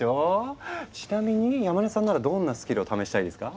ちなみに山根さんならどんなスキルを試したいですか？